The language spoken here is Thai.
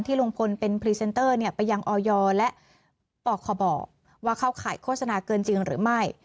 ลุงพลเป็นพรีเซนเตอร์ไปยังออยและปคบว่าเข้าข่ายโฆษณาเกินจริงหรือไม่